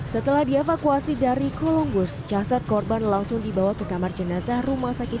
setelah dievakuasi dari kolom bus caset korban langsung dibawa ke kamar jenazah rumah sakit